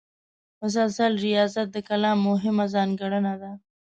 مسلسل ریاضت د کالم مهمه ځانګړنه ده.